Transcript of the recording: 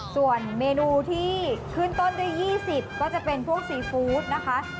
ส่วนเมนูที่ขึ้นต้นด้วย๒๐ก็จะเป็นพวกซีฟู้ดนะคะ